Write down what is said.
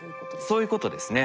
そういうことですね。